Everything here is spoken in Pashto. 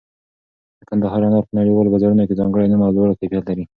د کندهار انار په نړیوالو بازارونو کې ځانګړی نوم او لوړ کیفیت لري.